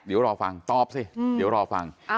เดี๋ยวรอฟังตอบสิเดี๋ยวรอฟัง